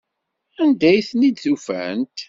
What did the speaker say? Anda ay ten-id-ufant?